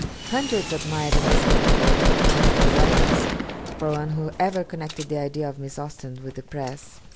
Hundreds admired Miss Mitford on account of her writings for one who ever connected the idea of Miss Austen with the press.